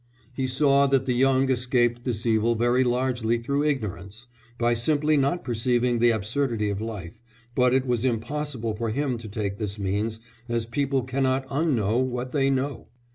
He saw that the young escaped this evil very largely through ignorance, by simply not perceiving the absurdity of Life, but it was impossible for him to take this means, as people cannot unknow what they know.